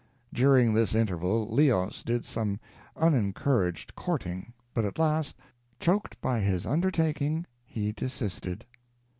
During this interval Leos did some unencouraged courting, but at last, "choked by his undertaking," he desisted.